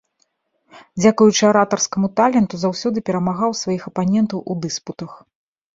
Дзякуючы аратарскаму таленту заўсёды перамагаў сваіх апанентаў у дыспутах.